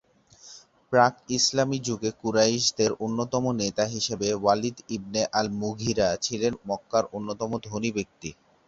প্রাক-ইসলামী যুগে কুরাইশদের অন্যতম নেতা হিসেবে ওয়ালিদ ইবনে আল-মুঘিরা ছিলেন মক্কার অন্যতম ধনী ব্যক্তি।